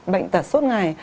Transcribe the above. bệnh tật suốt ngày